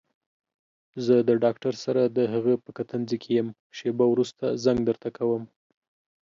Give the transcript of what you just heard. زه د ډاکټر سره دهغه په کتنځي کې يم شېبه وروسته زنګ درته کوم.